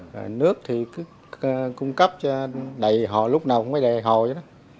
rồi nước thì cứ cung cấp cho đầy hồ lúc nào cũng phải đầy hồ cho nó